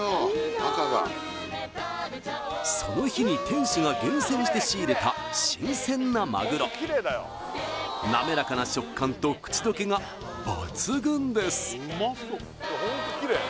赤がその日に店主が厳選して仕入れた新鮮なマグロなめらかな食感と口溶けが抜群です